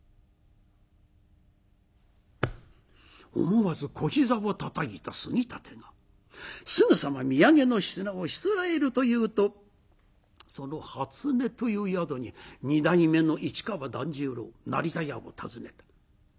思わず小膝をたたいた杉立がすぐさま土産の品をしつらえるというとそのはつねという宿に二代目の市川團十郎成田屋を訪ねた。